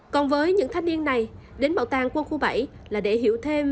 còn với những thanh niên này đến bảo tàng quân khu bảy là để hiểu thêm